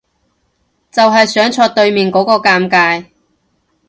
就係想坐對面嗰個尷尬